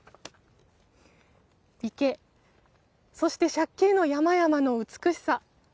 池、そして借景の山々の美しさ。